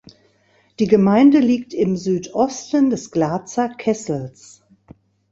Die Gemeinde liegt im Südosten des Glatzer Kessels.